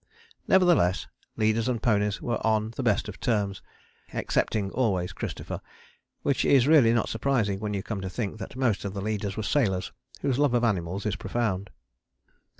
Nevertheless leaders and ponies were on the best of terms (excepting always Christopher), which is really not surprising when you come to think that most of the leaders were sailors whose love of animals is profound.